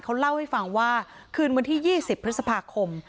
เขาเล่าให้ฟังว่าคืนวันที่๒๐พฤษภาคม